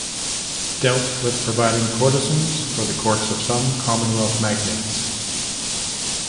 Dealt with providing courtesans for the courts of some Commonwealth magnates.